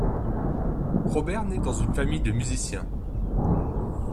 Robert naît dans une famille de musiciens.